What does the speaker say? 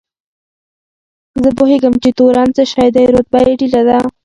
زه پوهېږم چې تورن څه شی دی، رتبه یې ټیټه ده.